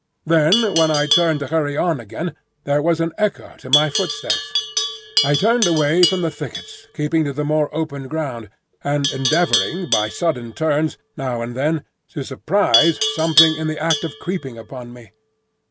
Then when I turned to hurry on again there was an echo to my footsteps. I turned away from the thickets, keeping to the more open ground, and endeavouring by sudden turns now and then to surprise something in the act of creeping upon me.